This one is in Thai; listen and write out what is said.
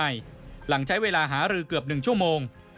คนใหม่หลังใช้เวลาหารือเกือบหนึ่งชั่วโมง